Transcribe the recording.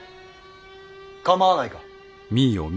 構わないか。